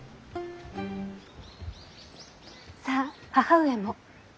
さあ義母上も。